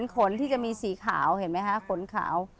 ขนที่จะมีสีขาวเห็นไหมคะขนขาว